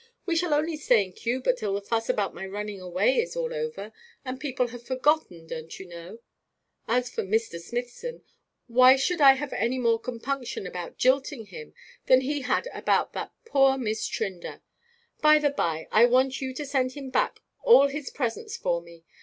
We shall only stay in Cuba till the fuss about my running away is all over, and people have forgotten, don't you know. As for Mr. Smithson, why should I have any more compunction about jilting him than he had about that poor Miss Trinder? By the bye, I want you to send him back all his presents for me.